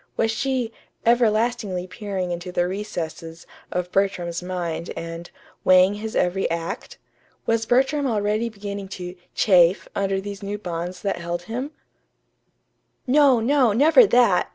Was she "everlastingly peering into the recesses" of Bertram's mind and "weighing his every act"? Was Bertram already beginning to "chafe" under these new bonds that held him? No, no, never that!